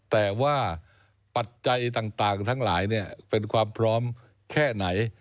แต่ว่าปัจจัยต่างทั้งหลายเป็นความพร้อมแค่ไหน